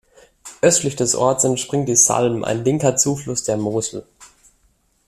Östlich des Orts entspringt die Salm, ein linker Zufluss der Mosel.